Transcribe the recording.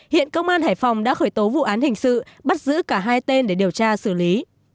hiện công an hải phòng đã khởi tố vụ án hình sự bắt giữ cả hai tên để điều tra xử lý